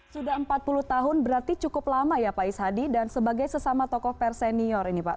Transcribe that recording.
sudah empat puluh tahun berarti cukup lama ya pak is hadi dan sebagai sesama tokoh persenior ini pak